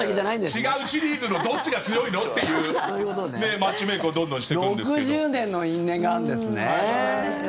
違うシリーズのどっちが強いの？というマッチメイクをどんどんしていくんですけど。